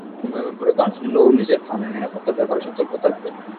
Headphone ব্যবহার করে গান শুনলেও নিজের কানের নিরাপত্তার ব্যাপারে সতর্ক থাকবেন।